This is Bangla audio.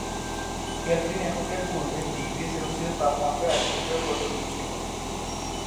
কেলভিন এককের পূর্বে ডিগ্রি সেলসিয়াস তাপমাত্রার একক হিসেবে প্রচলিত ছিল।